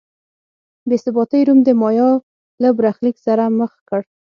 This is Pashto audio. بې ثباتۍ روم د مایا له برخلیک سره مخ کړ.